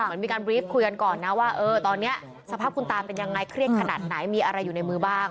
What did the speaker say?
เหมือนมีการบรีฟคุยกันก่อนนะว่าตอนนี้สภาพคุณตาเป็นยังไงเครียดขนาดไหนมีอะไรอยู่ในมือบ้าง